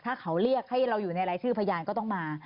ถ้าเขาเรียกให้เราอยู่ในรายชื่อพยานก็ต้องมา